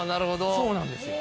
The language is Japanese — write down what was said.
そうなんですよ。